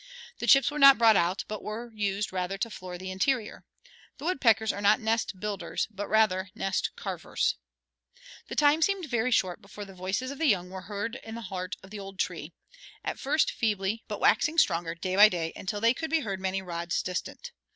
The chips were not brought out, but were used rather to floor the interior. The woodpeckers are not nest builders, but rather nest carvers. The time seemed very short before the voices of the young were heard in the heart of the old tree, at first feebly, but waxing stronger day by day until they could be heard many rods distant.